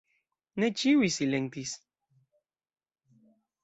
Ne ĉiuj silentis.